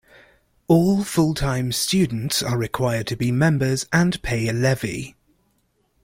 All full-time students are required to be members and pay a levy.